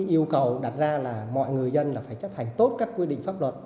yêu cầu đặt ra là mọi người dân là phải chấp hành tốt các quy định pháp luật